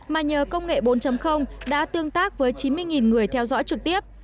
mà nhờ công nghệ bốn đã tương tác với chín mươi người theo dõi trực tiếp